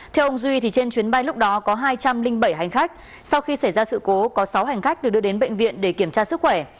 theo ông duy trên chuyến bay lúc đó có hai trăm linh bảy hành khách sau khi xảy ra sự cố có sáu hành khách được đưa đến bệnh viện để kiểm tra sức khỏe